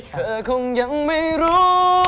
เธอคงยังไม่รู้